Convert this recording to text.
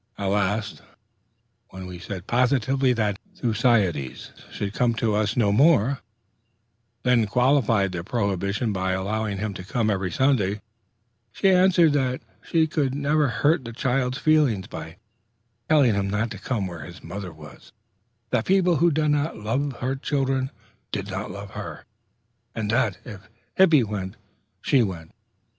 At last, when we said positively that Thucydides should come to us no more, and then qualified the prohibition by allowing him to come every Sunday, she answered that she never would hurt the child's feelings by telling him not to come where his mother was; that people who did not love her children did not love her; and that, if Hippy went, she went.